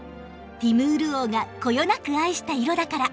ティムール王がこよなく愛した色だから！